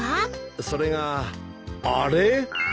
それがあれ？